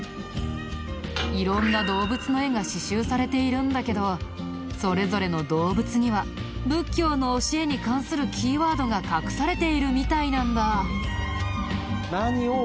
色んな動物の絵が刺繍されているんだけどそれぞれの動物には仏教の教えに関するキーワードが隠されているみたいなんだ。